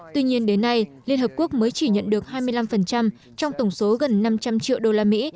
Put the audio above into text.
tuy nhiên đến nay liên hợp quốc mới chỉ nhận được hai mươi năm trong tổng số gần năm trăm linh triệu đô la mỹ